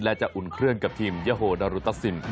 และจะอุ่นเครื่องกับทีมยาโฮดารุตัสซิน